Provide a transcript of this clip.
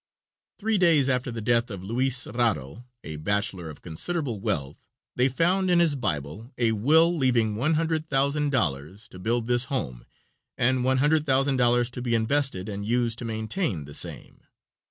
Three days after the death of Luis Rharo, a bachelor of considerable wealth, they found in his Bible a will leaving one hundred thousand dollars to build this home and one hundred thousand dollars to be invested and used to maintain the same.